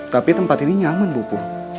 tapi tempat ini nyaman buku